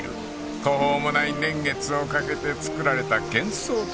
［途方もない年月をかけて作られた幻想的な風景］